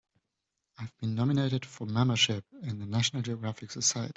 I've been nominated for membership in the National Geographic Society.